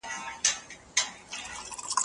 په ماشوم زړه باندې دې زور تير کړه